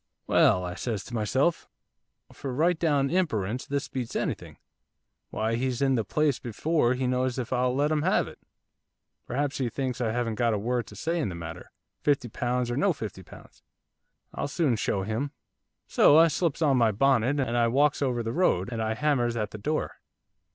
'"Well," I says to myself, "for right down imperence this beats anything, why he's in the place before he knows if I'll let him have it. Perhaps he thinks I haven't got a word to say in the matter, fifty pounds or no fifty pounds, I'll soon show him." So I slips on my bonnet, and I walks over the road, and I hammers at the door.